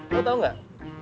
lo tau gak